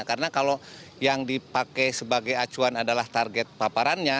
karena kalau yang dipakai sebagai acuan adalah target paparannya